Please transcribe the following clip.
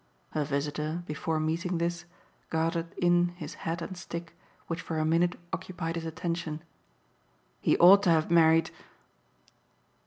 Her visitor, before meeting this, gathered in his hat and stick, which for a minute occupied his attention. "He ought to have married